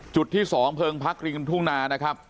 จุดที่สองเผลิงพลักษณ์ริมทุ่งนานะครับ